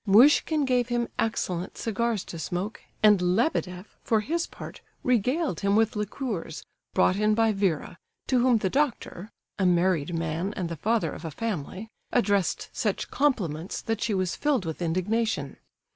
Muishkin gave him excellent cigars to smoke, and Lebedeff, for his part, regaled him with liqueurs, brought in by Vera, to whom the doctor—a married man and the father of a family—addressed such compliments that she was filled with indignation.